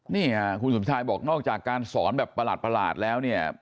นี่คุณสุดท้ายบอกนอกจากการสอนแบบประหลาดแล้ว